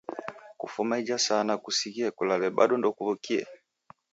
Kufuma ija saa nakusigha kulale bado ndekuwukie?